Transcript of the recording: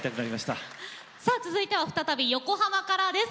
続いては再び横浜からです。